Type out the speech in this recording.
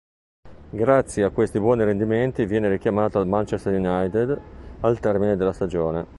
Grazie a questi buoni rendimenti viene richiamato al Manchester Utd al termine della stagione.